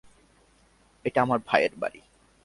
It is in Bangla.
এটা আমার ভাইয়ের বাড়ি।